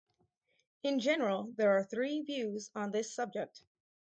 In general there are three views on this subject.